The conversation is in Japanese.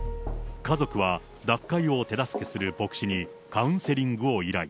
家族は脱会を手助けする牧師に、カウンセリングを依頼。